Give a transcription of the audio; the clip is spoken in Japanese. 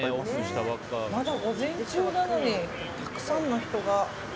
まだ午前中なのにたくさんの人が。